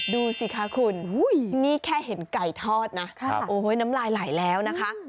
ดูสิคะคุณนี่แค่เห็นไก่ทอดนะโอ้ยน้ำลายไหลแล้วนะคะ